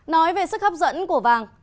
nói về sức hấp dẫn của vàng